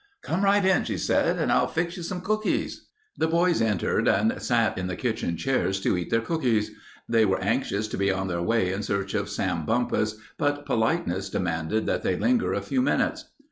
"Come right in," she said, "and I'll get you some cookies." The boys entered and sat in the kitchen chairs to eat their cookies. They were anxious to be on their way in search of Sam Bumpus, but politeness demanded that they linger a few minutes.